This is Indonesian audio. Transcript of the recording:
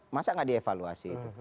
masa gak dievaluasi itu